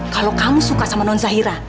kalau kamu suka sama non zahira